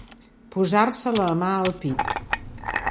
Posar-se la mà al pit.